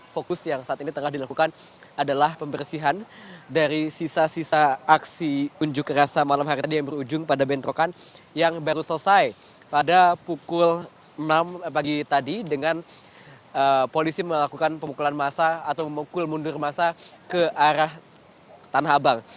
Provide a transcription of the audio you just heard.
fokus yang saat ini tengah dilakukan adalah pembersihan dari sisa sisa aksi unjuk rasa malam hari tadi yang berujung pada bentrokan yang baru selesai pada pukul enam pagi tadi dengan polisi melakukan pemukulan masa atau memukul mundur masa ke arah tanah abang